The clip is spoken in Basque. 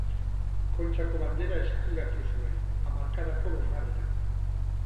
Kontxako Bandera eskuratu zuen, hamarkadako bosgarrena.